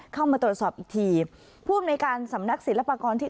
เข้ามาตรวจสอบอีกทีผู้อำนวยการสำนักศิลปากรที่